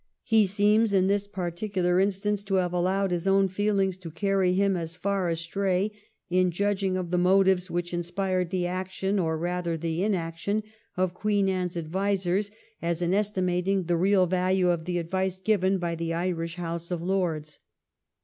He seems in this particular instance to have allowed his own feehngs to carry him as far astray in judging of the motives which inspired the action, or rather the inaction, of Queen Anne's advisers as in estimating the real value of the advice given by the Irish House of Lords.